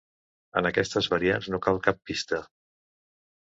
En aquestes variants no cal cap pista.